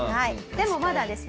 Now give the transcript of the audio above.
でもまだですね